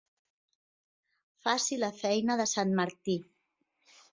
Faci la feina de sant Martí.